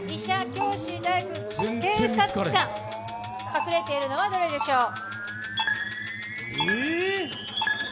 隠れているのはどれでしょう。